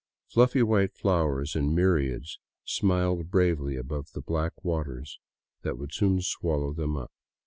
Fluffy white flowers in myriads smiled bravely above the black waters that would soon swallow them up.